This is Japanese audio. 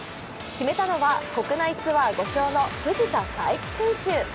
決めたのは国内ツアー５勝の藤田幸希選手。